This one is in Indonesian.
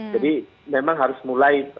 jadi memang harus mulai